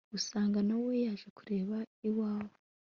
ugasanga na we yaje kukureba iwawe